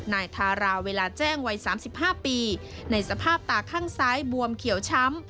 นายทาราเวลาแจ้งวัย๓๕ปีในสภาพตาข้างซ้ายบวมเขียวช้ำ